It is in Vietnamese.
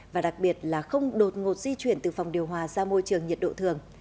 và đặc biệt là không đột ngột di chuyển từ phòng điều hòa ra môi trường nhiệt độ thường